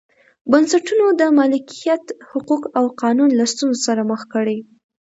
بنسټونو د مالکیت حقوق او قانون له ستونزو سره مخ کړي.